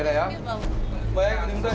đây anh áo kẻ này nhưng mà